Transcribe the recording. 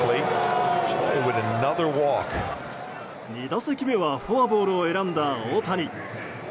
２打席目はフォアボールを選んだ大谷。